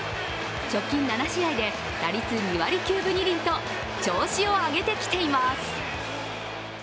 直近７試合で打率２割９分２厘と調子を上げてきています。